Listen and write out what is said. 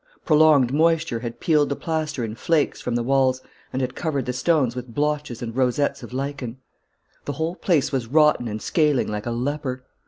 Prolonged moisture had peeled the plaster in flakes from the walls, and had covered the stones with blotches and rosettes of lichen. The whole place was rotten and scaling like a leper.